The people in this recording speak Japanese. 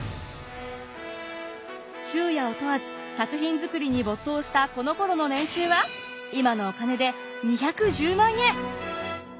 昼夜を問わず作品作りに没頭したこのころの年収は今のお金で２１０万円！